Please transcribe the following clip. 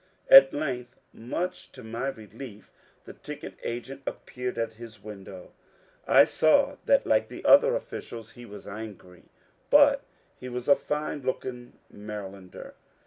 At length, much to my relief, the ticket agent appeared at his window. I saw that, like the other officials, he was angry, but he was a fine looking Marylander.